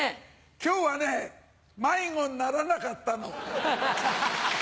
今日はね迷子にならなかったの。